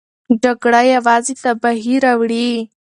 جګړه یوازې تباهي راوړي.